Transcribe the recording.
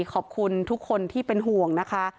ขอบคุณทุกคนที่เป็นห่วงนะคะ